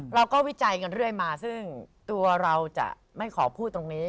วิจัยกันเรื่อยมาซึ่งตัวเราจะไม่ขอพูดตรงนี้